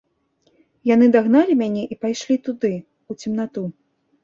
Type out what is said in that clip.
Яны дагналі мяне і пайшлі туды, у цемнату.